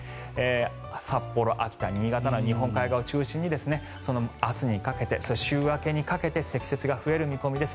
札幌、秋田、新潟など日本海側を中心に明日にかけて週明けにかけて積雪が増える見込みです。